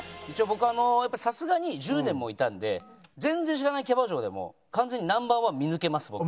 一応僕やっぱさすがに１０年もいたんで全然知らないキャバ嬢でも完全にＮｏ．１見抜けます